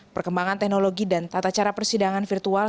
perkembangan teknologi dan tata cara persidangan virtual